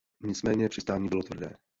Nicméně přistání bylo tvrdé.